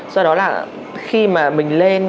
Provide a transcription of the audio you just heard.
do đó là khi mà mình lên